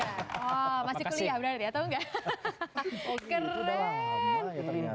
wah masih kuliah berarti atau nggak